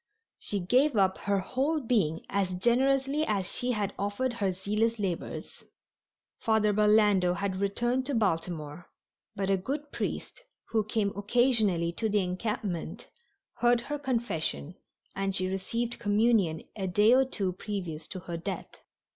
She gave up her whole being as generously as she had offered her zealous labors. Father Burlando had returned to Baltimore, but a good priest, who came occasionally to the encampment, heard her confession, and she received communion a day or two previous to her death.